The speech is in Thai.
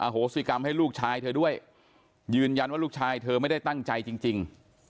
โหสิกรรมให้ลูกชายเธอด้วยยืนยันว่าลูกชายเธอไม่ได้ตั้งใจจริง